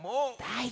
はい。